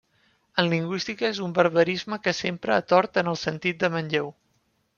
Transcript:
En lingüística és un barbarisme que s'empra a tort en el sentit de manlleu.